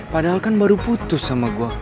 padahal kan baru putus sama gue